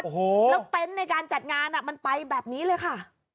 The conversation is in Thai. โอ้โหแล้วเต็นต์ในการจัดงานมันไปแบบนี้เลยค่ะ